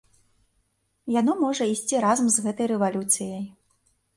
Яно можа ісці разам з гэтай рэвалюцыяй.